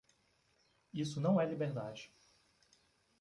Isso não é liberdade.